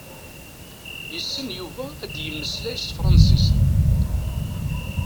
Yessen Yuba ad yemmeslay s tefransist.